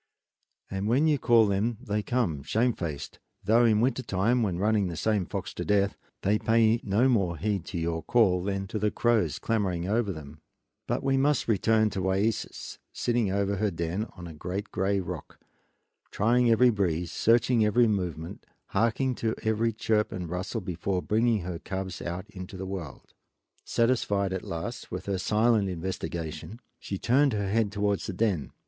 And when you call them they come shamefaced; though in winter time, when running the same fox to death, they pay no more heed to your call than to the crows clamoring over them. But we must return to Wayeeses, sitting over her den on a great gray rock, trying every breeze, searching every movement, harking to every chirp and rustle before bringing her cubs out into the world. Satisfied at last with her silent investigation she turned her head towards the den.